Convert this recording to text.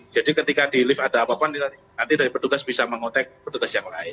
jadi ketika di lift ada apapun nanti dari petugas bisa mengotek petugas yang lain